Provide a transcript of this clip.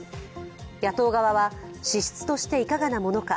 野党側は、資質としていかがなものか、